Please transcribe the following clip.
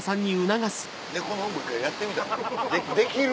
猫のうんこ一回やってみたらできる？